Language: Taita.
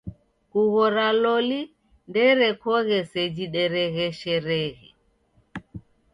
Kughora loli ndeerekoghe seji deregheshereghe.